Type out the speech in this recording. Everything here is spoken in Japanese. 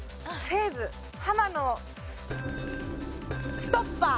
セーブハマのストッパー。